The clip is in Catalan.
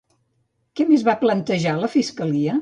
Què més va plantejar, la fiscalia?